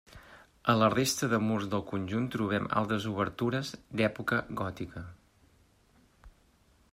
A la resta de murs del conjunt trobem altres obertures d'època gòtica.